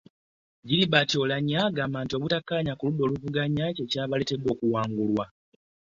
Gilbert Oulanya agamba nti obutakkaanya ku ludda oluvuganya kye kyabaleetedde okuwangulwa